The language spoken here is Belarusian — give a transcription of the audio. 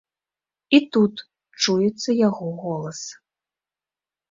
І тут чуецца яго голас.